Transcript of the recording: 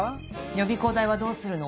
予備校代はどうするの？